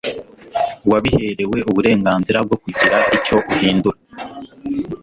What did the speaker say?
wabiherewe uburenganzira bwo kugira icyo uhindura